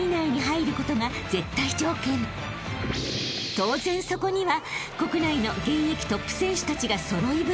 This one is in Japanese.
［当然そこには］